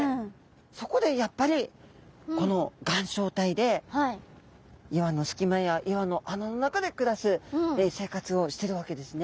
そこでやっぱりこの岩礁帯で岩の隙間や岩の穴の中で暮らす生活をしてるわけですね。